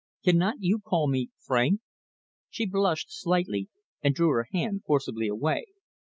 "Cannot you call me Frank?" She blushed slightly, and drew her hand forcibly away.